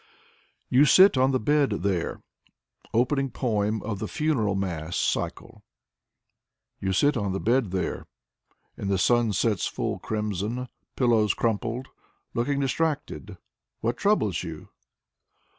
Audrey Bely 141 " YOU SIT ON THE BED THERE " (Opening poem of the " Funeral Mass" cycle) " You sit on the bed there In the sunset's full crimson, Pillows crumpled, Looking distracted, — ^what Troubles you?"